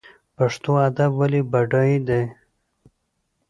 پښتو ادب ولې بډای دی؟